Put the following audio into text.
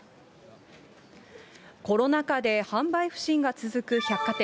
コロナ禍で販売不振が続く百貨店。